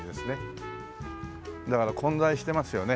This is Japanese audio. だから混在してますよね。